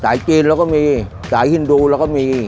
สายจีนแล้วก็มีสายฮินดูแล้วก็มี